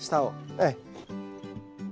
ええ。